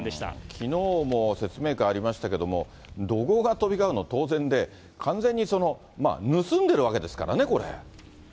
きのうも説明会ありましたけども、怒号が飛び交うの、当然で、完全に、盗んでるわけですからね、これ。